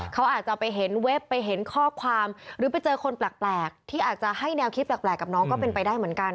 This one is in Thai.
เขาอาจจะไปเห็นเว็บไปเห็นข้อความหรือไปเจอคนแปลกที่อาจจะให้แนวคิดแปลกกับน้องก็เป็นไปได้เหมือนกัน